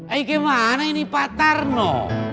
eh gimana ini pak tarno